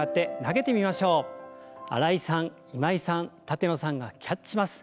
新井さん今井さん舘野さんがキャッチします。